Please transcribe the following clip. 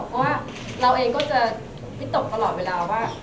เพราะว่าเราเองก็จะวิตกตลอดเวลาว่า